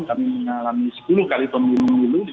kami mengalami sepuluh kali pemilu pemilu